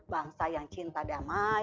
bangsa yang cinta damai